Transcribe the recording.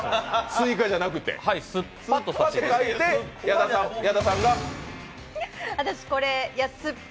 スイカじゃなくて、酸っぱ。